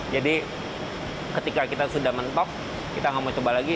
jadi ketika kita sudah mentok kita gak mau coba lagi